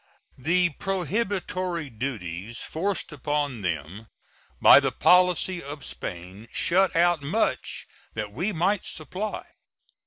The prohibitory duties forced upon them by the policy of Spain shut out much that we might supply.